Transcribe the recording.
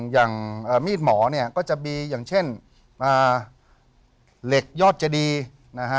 อย่างมีดหมอเนี่ยก็จะมีอย่างเช่นเหล็กยอดเจดีนะฮะ